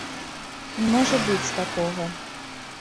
Не можа быць такога.